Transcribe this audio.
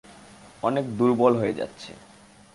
অনেক দূর্বল হয়ে যাচ্ছে।